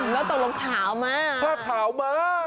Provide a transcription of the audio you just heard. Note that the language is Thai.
แล้วตกลงขาวมาผ้าขาวมา